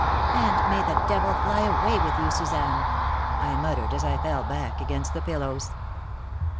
"And may the devil fly away with you, Suzanne!" I muttered, as I fell back against the pillows.